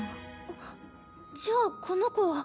あっじゃあこの子は。